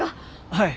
はい。